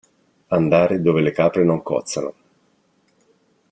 Andare dove le capre non cozzano.